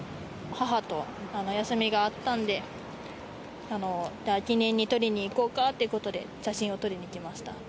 母と休みが合ったんで、記念に撮りに行こうかってことで、写真を撮りに来ました。